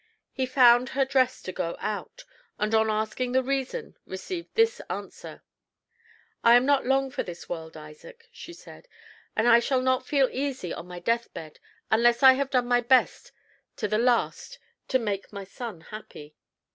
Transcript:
He found her dressed to go out, and on asking the reason received this answer: "I am not long for this world, Isaac," she said, "and I shall not feel easy on my death bed unless I have done my best to the last to make my son happy.